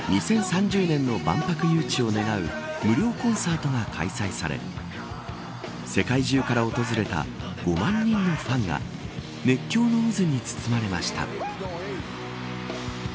２０３０年の万博誘致を願う無料コンサートが開催され世界中から訪れた５万人のファンが熱狂の渦に包まれました。